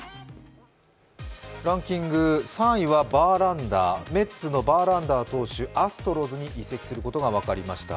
ランキング３位はバーランダー、メッツのバーランダー投手、アストロズに移籍することが分かりました。